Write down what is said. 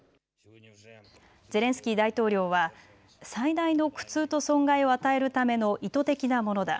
ゼレンスキー大統領は最大の苦痛と損害を与えるための意図的なものだ。